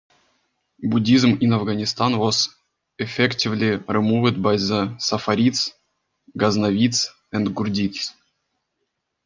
Buddhism in Afghanistan was effectively removed by the Saffarids, Ghaznavids, and Ghurids.